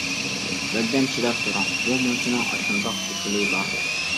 -بىردەم چىداپ تۇرۇڭ، بۇ مۇنچىنىڭ ئاشۇنداق كېسىلى بار!